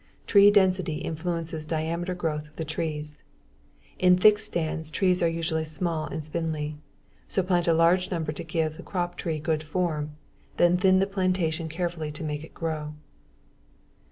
Tree density influences diameter growth of the trees. In thick stands, trees are usually small and spindly. So plant a large number to give the crop trees good form, then thin the plantation carefully to make it grow.